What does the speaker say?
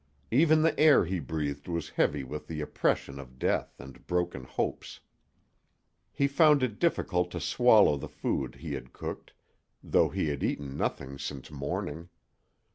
Even the air he breathed was heavy with the oppression of death and broken hopes. He found it difficult to swallow the food he had cooked, though he had eaten nothing since morning.